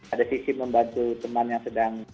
ada sisi membantu teman yang sedang